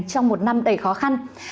trong một năm đầy khó khăn